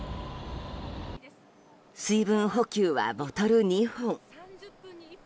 水分補給はボトル２本。